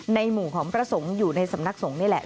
หมู่ของพระสงฆ์อยู่ในสำนักสงฆ์นี่แหละ